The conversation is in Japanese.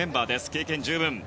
経験十分。